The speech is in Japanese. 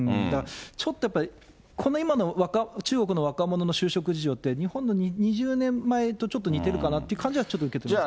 ちょっとやっぱり、この今の中国の若者の就職事情って、日本の２０年前とちょっと似てるかなって感じは、ちょっと受けていますね。